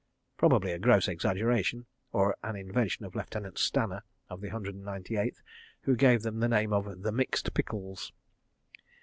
Probably a gross exaggeration, or an invention of Lieutenant Stanner, of the Hundred and Ninety Eighth, who gave them the name of "The Mixed Pickles."